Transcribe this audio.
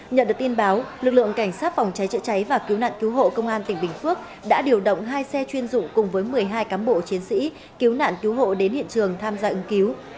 nhận được tin báo lực lượng cảnh sát phòng cháy chữa cháy và cứu nạn cứu hộ công an tỉnh bình phước đã điều động hai xe chuyên dụng cùng với một mươi hai cán bộ chiến sĩ cứu nạn cứu hộ đến hiện trường tham gia ứng cứu